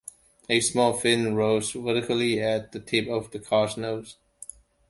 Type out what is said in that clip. A small fin rose vertically at the tip of the car's nose.